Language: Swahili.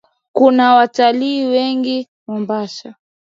Kuna watalii wegi Mombasa.